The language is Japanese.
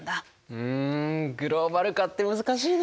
うんグローバル化って難しいね。